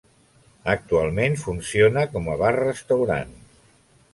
Actualment funciona com a bar restaurant.